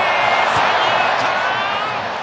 三遊間！